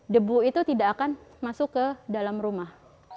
debu itu tidak akan masuk ke dalam rumah